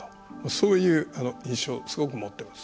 そういう印象をすごく持っています。